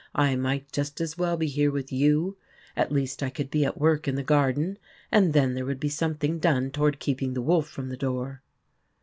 I might just as well be here with you ; at least I could be at work in the garden, and then there would be something done toward keeping the wolf from the door